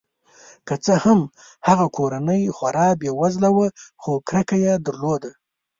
که څه هم هغه کورنۍ خورا بې وزله وه خو کرکه یې درلوده.